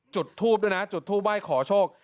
จุดทูปด้วยนะจุดทูปไหว้ขอโชค